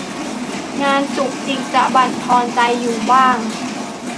งานจุกจิกจะบั่นทอนใจอยู่บ้าง